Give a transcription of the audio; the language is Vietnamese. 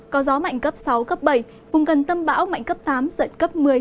có gió mạnh cấp sáu cấp bảy vùng gần tâm bão mạnh cấp tám giật cấp một mươi